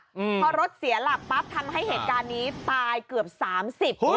เพราะรถเสียหลักปั๊บทำให้เหตุการณ์นี้ตายเกือบสามสิบ